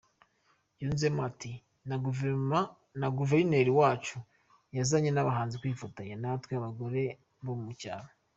Yunzemo ati “Na Guverineri wacu yazanye n’abahanzi kwifatanya natwe abagore bo mu cyaro.